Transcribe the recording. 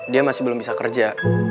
dia masih belum bisa kerja